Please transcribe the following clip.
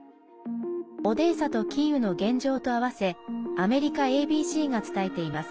オデーサとキーウの現状と合わせアメリカＡＢＣが伝えています。